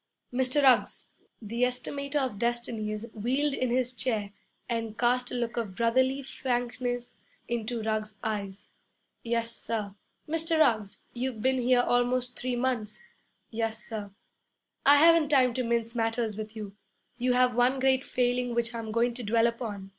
'Mr. Ruggs!' The Estimator of Destinies wheeled in his chair and cast a look of brotherly frankness into Ruggs's eyes. 'Yes, sir.' 'Mr. Ruggs, you've been here almost three months.' 'Yes, sir.' 'I haven't time to mince matters with you. You have one great failing which I'm going to dwell upon.